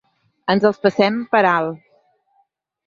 Ens els passem per dalt.